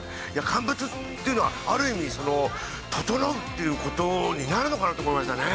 乾物っていうのはある意味その整うっていうことになるのかなと思いましたね。